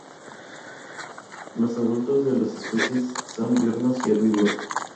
Los adultos de la especia son diurnos y herbívoros.